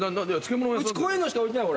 うちこういうのしか置いてない。